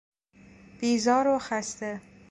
بیزار و خسته